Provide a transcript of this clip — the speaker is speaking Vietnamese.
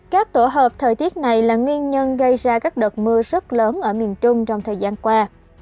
các tổ hợp thời tiết này là nguyên nhân gây ra các đợt mưa rất lớn ở miền trung trong thời gian qua